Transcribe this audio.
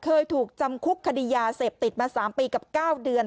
เคยถูกจำคุกคดียาเสพติดมา๓ปีกับ๙เดือน